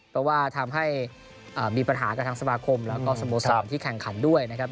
เพราะว่าทำให้มีปัญหากับทางสมาคมแล้วก็สโมสรที่แข่งขันด้วยนะครับ